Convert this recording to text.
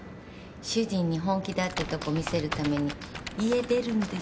主人に本気だってとこ見せるために家出るんです。